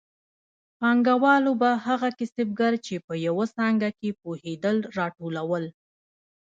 پانګوالو به هغه کسبګر چې په یوه څانګه کې پوهېدل راټولول